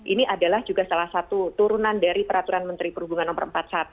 ini adalah juga salah satu turunan dari peraturan menteri perhubungan no empat puluh satu